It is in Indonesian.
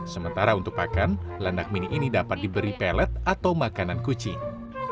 sementara untuk pakan landak mini ini dapat diberi pellet atau makanan kucing